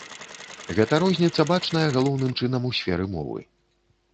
Гэта розніца бачная галоўным чынам у сферы мовы.